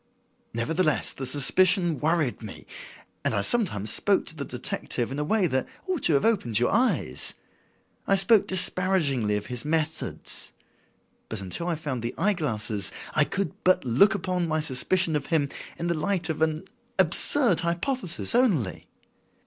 Nevertheless, the suspicion worried me, and I sometimes spoke to the detective in a way that ought to have opened your eyes. I spoke disparagingly of his methods. But until I found the eye glasses I could but look upon my suspicion of him in the light of an absurd hypothesis only.